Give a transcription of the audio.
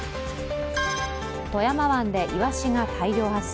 富山湾でいわしが大量発生。